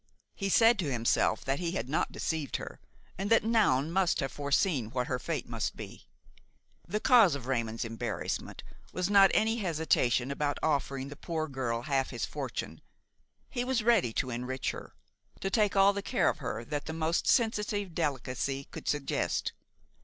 He said to himself that he had not deceived her, and that Noun must have foreseen what her fate must be. The cause of Raymon's embarrassment was not any hesitation about offering the poor girl half of his fortune; he was ready to enrich her, to take all the care her that the most sensitive delicacy could suggest.